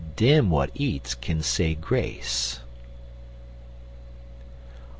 Dem w'at eats kin say grace.